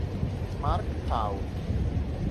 Mark Howe